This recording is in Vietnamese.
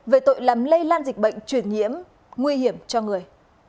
về tội làm lây lan dịch bệnh truyền nhiễm nguy hiểm cho người